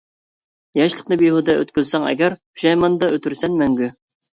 ياشلىقنى بىھۇدە ئۆتكۈزسەڭ ئەگەر، پۇشايماندا ئۆتەرسەن مەڭگۈ.